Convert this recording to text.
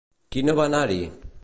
Qui no va anar-hi?